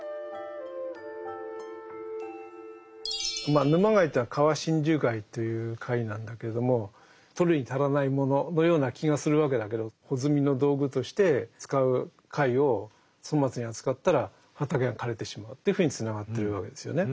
まあ沼貝というのは川真珠貝という貝なんだけれども取るに足らないもののような気がするわけだけど穂摘みの道具として使う貝を粗末に扱ったら畑が枯れてしまうというふうにつながってるわけですよね。